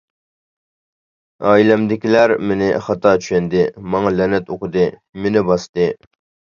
ئائىلەمدىكىلەر «مېنى خاتا چۈشەندى» ماڭا لەنەت ئوقۇدى، مېنى باستى!